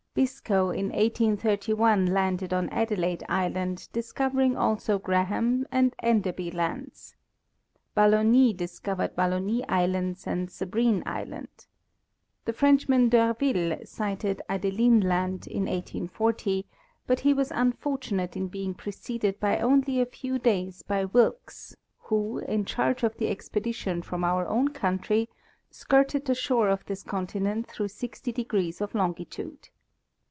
Biscoe in 1831 landed on Adelaide island, discovering also Graham and Enderby lands. Balleny discovered Balleny islands and Sabrine land. The Frenchman D'Urville sighted Adélie land in 1840, but he was unfortunate in being preceded by only a few days by Wilkes, who, in charge of the expedition from our own country, skirted the shore of this continent through 60° of longitude.